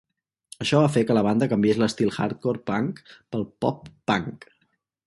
Això va fer que la banda canviés l'estil hardcore punk pel pop punk.